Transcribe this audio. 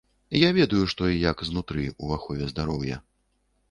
Я ведаю, што і як знутры ў ахове здароўя.